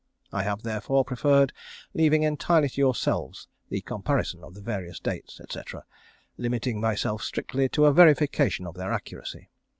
I have, therefore, preferred leaving entirely to yourselves the comparison of the various dates, &c., limiting myself strictly to a verification of their accuracy.